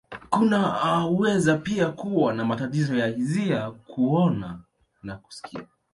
Kunaweza pia kuwa na matatizo ya hisia, kuona, na kusikia.